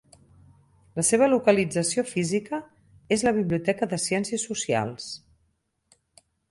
La seva localització física és la Biblioteca de Ciències Socials.